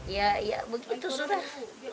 ya ya begitu sudah